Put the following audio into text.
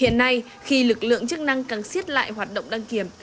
hiện nay khi lực lượng chức năng càng xiết lại hoạt động đăng kiểm